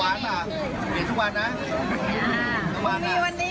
ตัวแกง